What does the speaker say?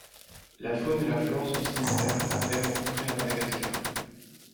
La faune et la flore sont similaires à celles rencontrées à Madagascar.